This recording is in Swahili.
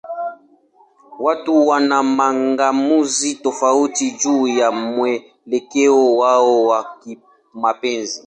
Watu wana mang'amuzi tofauti juu ya mwelekeo wao wa kimapenzi.